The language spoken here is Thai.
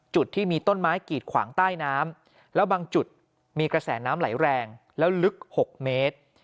จุดที่มีต้นไม้กีดขวางใต้น้ำแล้วบางจุดมีกระแสน้ำไหลแรงแล้วลึก๖เมตร